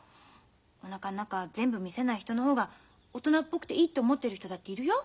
おなかん中全部見せない人の方が大人っぽくていいと思ってる人だっているよ。